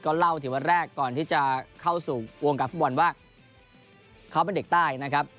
เล่าถึงวันแรกก่อนที่จะเข้าสู่วงการฟุตบอลว่าเขาเป็นเด็กใต้นะครับ